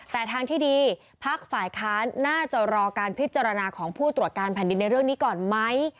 แต่ทางที่ดีพักฝ่ายค้านน่าจะรอการพิจารณาของผู้ตรวจการแผ่นดินในเรื่องนี้ก่อนไหม